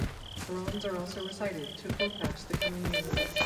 Qurans are also recited to forecast the coming year.